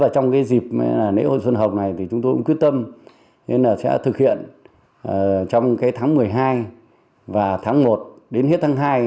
trong dịp lễ hội xuân hồng này thì chúng tôi cũng quyết tâm sẽ thực hiện trong tháng một mươi hai và tháng một đến hết tháng hai